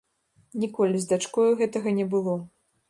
Ніколі з дачкою гэтага не было.